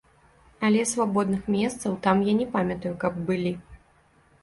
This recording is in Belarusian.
Але свабодных месцаў там я не памятаю, каб былі.